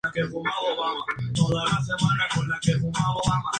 Está especializada en arte contemporáneo y de vanguardia histórica.